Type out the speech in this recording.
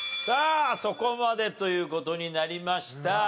さあそこまでという事になりました。